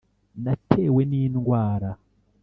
Natewe n’indwara